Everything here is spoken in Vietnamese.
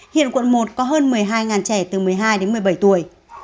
hiện quận một có hơn một mươi hai trẻ từ một mươi hai đến một mươi bảy tuổi